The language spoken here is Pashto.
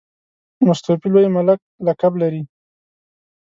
مستوفي لوی ملک لقب لري.